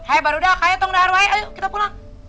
hei baru dah ayo kita pulang